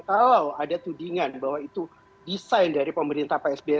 kalau ada tudingan bahwa itu desain dari pemerintah pak sby